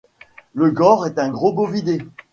Le gaur est un gros bovidé